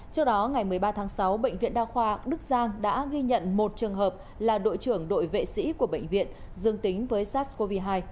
trước đó ngày một mươi ba tháng sáu bệnh viện đa khoa đức giang đã ghi nhận một trường hợp là đội trưởng đội vệ sĩ của bệnh viện dương tính với sars cov hai